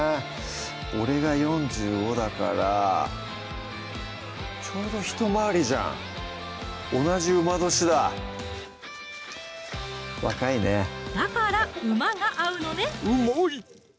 俺が４５だからちょうどひと回りじゃん同じ午年だ若いねだからウマが合うのねウマい！